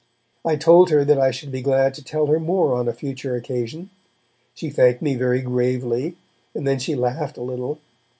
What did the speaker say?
I told her that I should be glad to tell her more on a future occasion; she thanked me very gravely, and then she laughed a little.